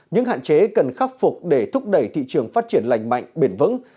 những hạn chế cần khắc phục để thúc đẩy thị trường phát triển lành mạnh bền vững